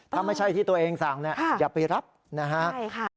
ถ้าไม่ใช่ที่ตัวเองสั่งอย่าไปรับนะครับ